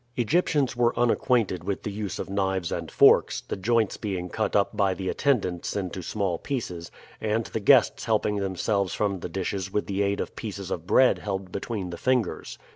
Egyptians were unacquainted with the use of knives and forks, the joints being cut up by the attendants into small pieces, and the guests helping themselves from the dishes with the aid of pieces of bread held between the fingers.